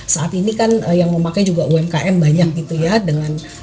saat ini kan yang memakai juga umkm banyak gitu ya